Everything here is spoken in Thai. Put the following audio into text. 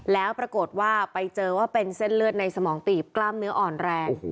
แล้วปรากฏว่าไปเจอว่าเป็นเส้นเลือดในสมองตีบกล้ามเนื้ออ่อนแรง